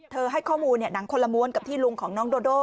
เธอให้ข้อมูลเนี่ยหนังคนละมวลกับที่ลุงของน้องโดโด่